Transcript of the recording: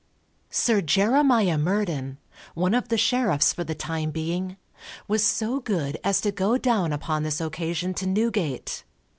Sir Jeremiah Murden, one of the sheriffs for the time being, was so good as to go down upon this occasion to Newgate.